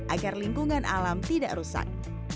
agar lingkungan alam tidak rusak